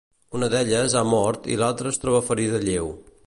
Una d'elles ha mort i l'altre es troba ferida lleu.